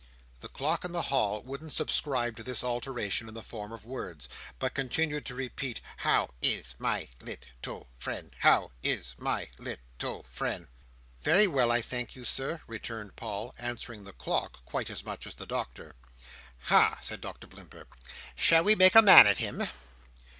The clock in the hall wouldn't subscribe to this alteration in the form of words, but continued to repeat how, is, my, lit, tle, friend? how, is, my, lit, tle, friend?" "Very well, I thank you, Sir," returned Paul, answering the clock quite as much as the Doctor. "Ha!" said Doctor Blimber. "Shall we make a man of him?"